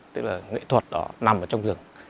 tức là nghệ thuật đó nằm ở trong rừng